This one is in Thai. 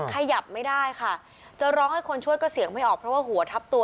ขยับไม่ได้ค่ะจะร้องให้คนช่วยก็เสียงไม่ออกเพราะว่าหัวทับตัว